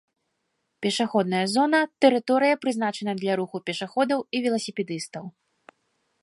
пешаходная зона — тэрыторыя, прызначаная для руху пешаходаў і веласіпедыстаў